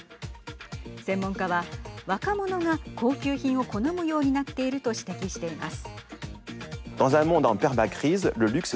専門家は若者が高級品を好むようになっていると指摘しています。